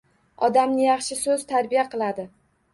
Odamni yaxshi so‘z tarbiya qiladi